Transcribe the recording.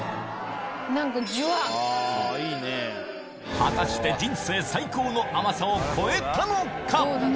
果たして人生最高の甘さを超えたのか？